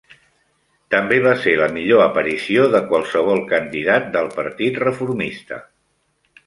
També va ser la millor aparició de qualsevol candidat del partit reformista.